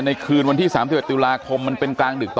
ในคืนวันที่สามสิบเอ็ดตุลาคมมันเป็นกลางดึกต่อ